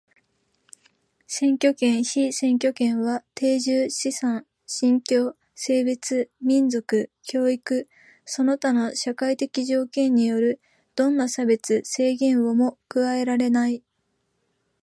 選挙権、被選挙権は定住、資産、信教、性別、民族、教育その他の社会的条件によるどんな差別、制限をも加えられない。